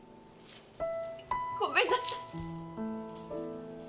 ごめんなさい！